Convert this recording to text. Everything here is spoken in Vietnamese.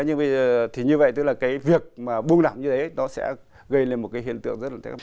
nhưng bây giờ thì như vậy tức là cái việc mà bung nỏng như thế đó sẽ gây lên một cái hiện tượng rất là thiệt